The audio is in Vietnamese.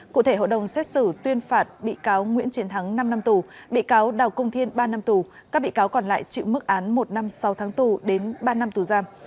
cụ thể hội đồng xét xử tuyên phạt bị cáo nguyễn triển thắng năm năm tù bị cáo đào cung thiên ba năm tù các bị cáo còn lại chịu mức án một năm sáu tháng tù đến ba năm tù giam